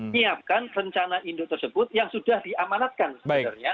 menyiapkan rencana induk tersebut yang sudah diamanatkan sebenarnya